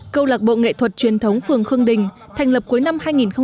câu lạc bộ nghệ thuật truyền thống phường khương đình thành lập cuối năm hai nghìn một mươi